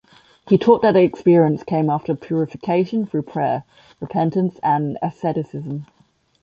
He taught that the experience came after purification through prayer, repentance, and asceticism.